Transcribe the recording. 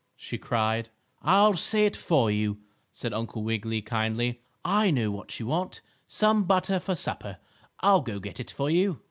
she cried. "I'll say it for you," said Uncle Wiggily, kindly. "I know what you want some butter for supper. I'll go get it for you."